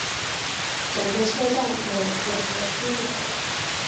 整个车站留有两个出入口。